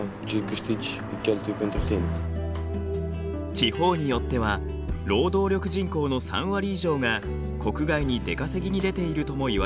地方によっては労働力人口の３割以上が国外に出稼ぎに出ているともいわれています。